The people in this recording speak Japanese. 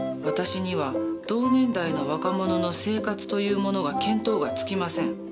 私には同年代の若者の生活というものが見当がつきません。